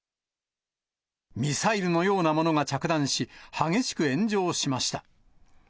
ミサイルのようなものが着弾し、激しく炎上しました。